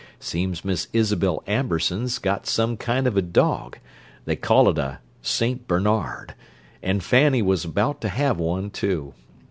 Seems Miss Isabel Amberson's got some kind of a dog—they call it a Saint Bernard—and Fanny was bound to have one, too.